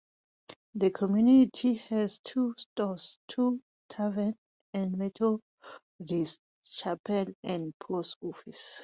The community had two stores, two taverns, a Methodist chapel and a post office.